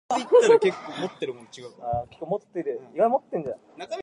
Beatrice Tinsley Crescent in Rosedale, on Auckland's North Shore, is named for her.